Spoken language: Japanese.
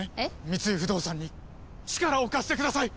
三井不動産に力を貸してください！